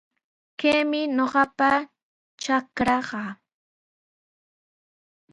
Kaymi ñuqapa trakraaqa.